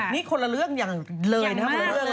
นี่คนละเรื่องอย่างเลยนะครับ